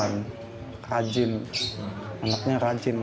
dan rajin anaknya rajin